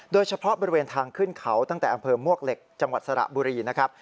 โดยเฉพาะบริเวณทางขึ้นเขาตั้งแต่อำเภอมวกเหล็กจังหวัดสระบุรีนะครับ